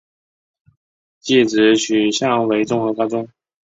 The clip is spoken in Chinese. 技职取向为综合高中。